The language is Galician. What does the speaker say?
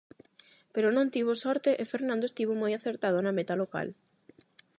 Pero non tivo sorte e Fernando estivo moi acertado na meta local.